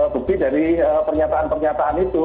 bukti dari pernyataan pernyataan itu